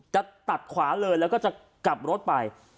จะตัดขวาเลยแล้วก็จะกลับรถไป